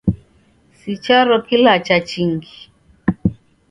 Si charo kilacha chingi.